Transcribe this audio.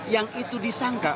yang itu disangka